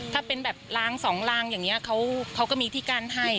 ถ้าเป็นแบบลางสองลางอย่างนี้เขาก็มีที่กั้นให้